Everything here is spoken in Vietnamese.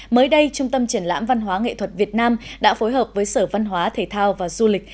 mới đây trung tâm triển lãm văn hóa nghệ thuật việt nam đã phối hợp với sở văn hóa thể thao và du lịch